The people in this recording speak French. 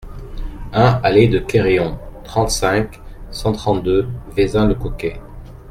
un allée de Kéréon, trente-cinq, cent trente-deux, Vezin-le-Coquet